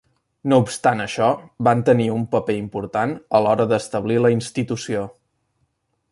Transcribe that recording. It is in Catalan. No obstant això, van tenir un paper important a l'hora d'establir la institució.